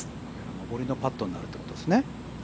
上りのパットになるってことですね。